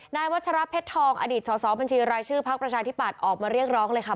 วัชระเพชรทองอดีตสอบัญชีรายชื่อพักประชาธิปัตย์ออกมาเรียกร้องเลยค่ะ